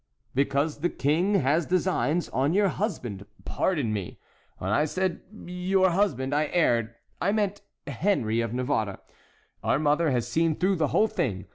"Because the King has designs on your husband! Pardon me, when I said your husband, I erred; I meant Henry of Navarre. Our mother has seen through the whole thing.